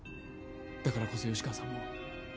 だからこそ吉川さんも